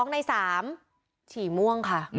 ๒ใน๓ฉี่ม่วงค่ะ